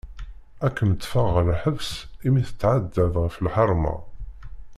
Ad kem-ṭfeɣ ɣer lḥebs imi tetɛeddaḍ ɣef lḥarma.